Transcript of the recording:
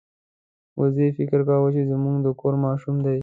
وزې فکر کاوه چې زموږ د کور ماشوم دی.